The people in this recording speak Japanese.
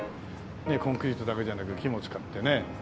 コンクリートだけじゃなく木も使ってね。